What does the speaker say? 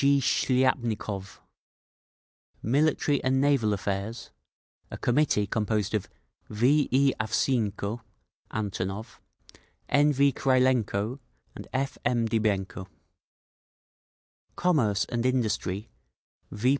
G. Shliapnikov Military and Naval Affairs—a committee composed of V. A. Avseenko (Antonov), N. V. Krylenko, and F. M. Dybenko. Commerce and Industry: V.